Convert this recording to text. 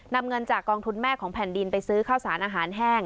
นำเงินจากกองทุนแม่ของแผ่นดินไปซื้อข้าวสารอาหารแห้ง